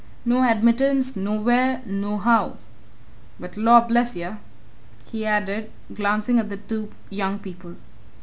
No admittance, nowhere, nohow! But lor' bless yer!" he added, glancing at the two young people.